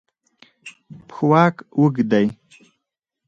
پښواک اوږد دی.